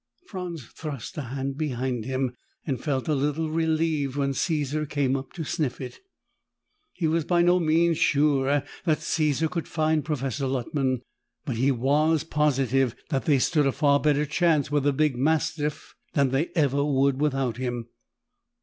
Franz thrust a hand behind him and felt a little relieved when Caesar came up to sniff it. He was by no means sure that Caesar could find Professor Luttman, but he was positive that they stood a far better chance with the big mastiff than they ever would without him.